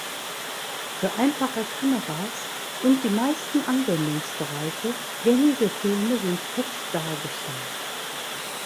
Für einfache Kameras und die meisten Anwendungsbereiche gängige Filme sind fett dargestellt.